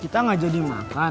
kita gak jadi makan